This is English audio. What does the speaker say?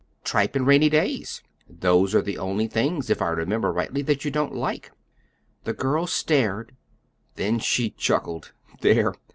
"Tripe and rainy days. Those are the only things, if I remember rightly, that you don't like." The girl stared; then she chuckled. "There!